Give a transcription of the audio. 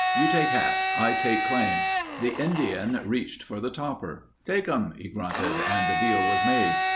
"You take hat. I take claim." The Indian reached for the topper. "Take um," he grunted and the deal was made.